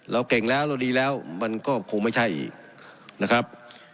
เราเก่งแล้วเราดีแล้วมันก็คงไม่ใช่อีกนะครับ